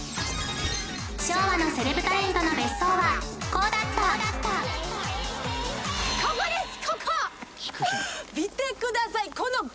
昭和のセレブタレントの別荘はこうだったここです